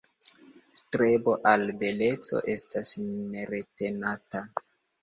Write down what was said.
Strebo al beleco estas neretenata.